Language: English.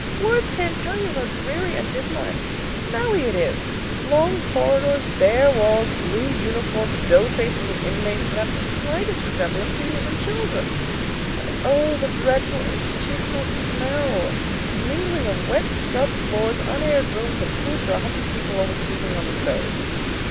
Words can't tell you how dreary and dismal and smelly it is: long corridors, bare walls; blue uniformed, dough faced little inmates that haven't the slightest resemblance to human children. And oh, the dreadful institution smell! A mingling of wet scrubbed floors, unaired rooms, and food for a hundred people always steaming on the stove.